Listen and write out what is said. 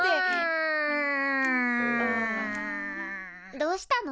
どうしたの？